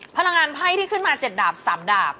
พลังงานไพ่ที่ขึ้นมา๗ดาบ๓ดาบ